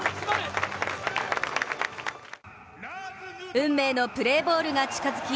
運命のプレーボールが近づき